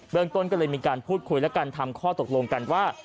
เรื่องต้นก็เลยมีการพูดคุยและกันทำข้อตกลงกันว่า